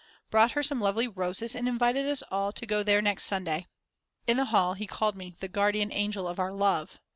brought her some lovely roses and invited us all to go there next Sunday. In the hall he called me "the Guardian Angel of our Love."